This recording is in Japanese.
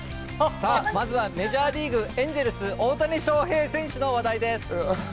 さぁまずはメジャーリーグ、エンゼルス・大谷翔平選手の話題です。